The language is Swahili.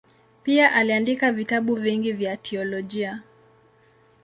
Pia aliandika vitabu vingi vya teolojia.